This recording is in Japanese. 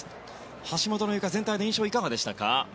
橋本のゆか、全体の印象いかがでしたか？